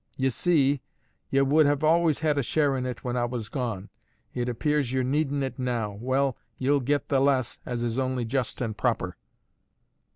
Ye see, ye would have always had a share of it when A was gone; it appears ye're needin' it now; well, ye'll get the less, as is only just and proper."